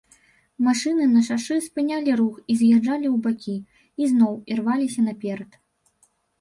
Машыны на шашы спынялі рух і з'язджалі ў бакі, і зноў ірваліся наперад.